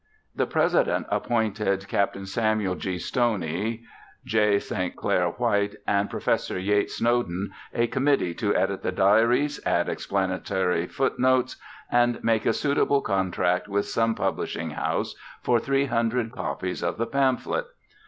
The President appointed Capt. Sam'l G. Stoney, J. St. Clair White and Prof. Yates Snowden a committee to edit the diaries, add explanatory foot notes, and make a suitable contract with some publishing house for 300 copies of the pamphlet.